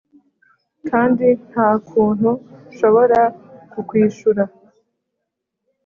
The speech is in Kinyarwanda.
kandi nta kuntu nshobora kukwishura,